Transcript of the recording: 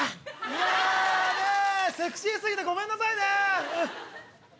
いやねセクシー過ぎてごめんなさいね。